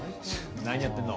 何やってんの？